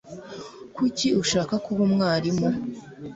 Kuki ushaka kuba umwarimu?